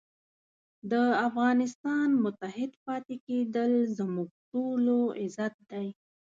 د افغانستان متحد پاتې کېدل زموږ ټولو عزت دی.